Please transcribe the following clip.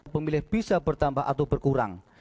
pemilih bisa bertambah atau berkurang